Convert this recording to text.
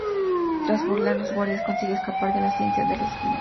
Tras burlar a los guardias consigue escapar de la hacienda con los documentos.